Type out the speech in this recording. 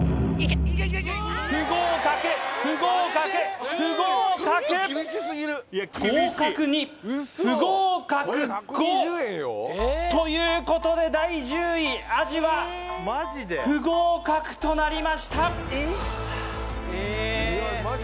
不合格不合格不合格合格２不合格５ということで第１０位あじは不合格となりました